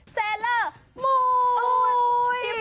เซลล์อร์มอย